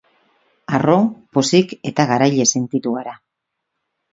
Harro, pozik eta garaile sentitu gara.